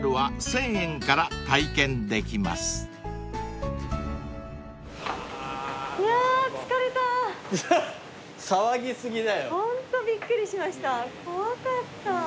怖かった。